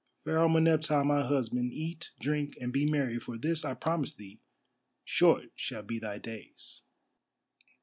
Pharaoh Meneptah, my husband, eat, drink, and be merry, for this I promise thee—short shall be thy days."